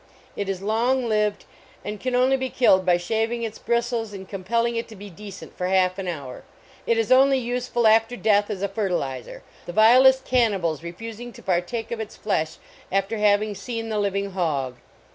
It is long lived, and can only 12 177 THE OLD ROAD SHOW be killed by shaving its bristles and compel ling it to be decent for half an hour. It is only useful, after death, as a fertilizer, the vilest cannibals refusing to partake of its flesh after having seen the living Hog.